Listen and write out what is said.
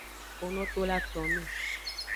Kpono to le aton me.